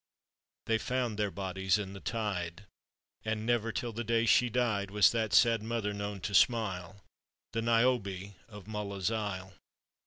They found their bodies in the tide ; And never till the day she died Was that sad mother known to smile — The Niobe of Mulla's isle.